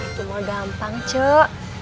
itu mah gampang cek